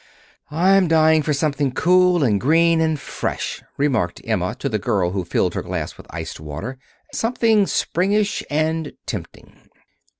"I'm dying for something cool, and green, and fresh," remarked Emma to the girl who filled her glass with iced water; "something springish and tempting."